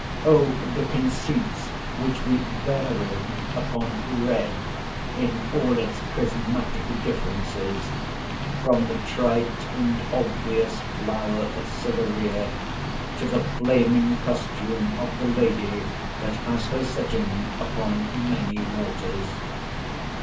O the conceits which we varied upon red in all its prismatic differences! from the trite and obvious flower of Cytherea, to the flaming costume of the lady that has her sitting upon "many waters."